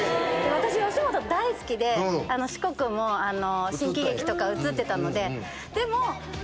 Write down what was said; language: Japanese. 私吉本大好きで四国も『新喜劇』とか映ってたので。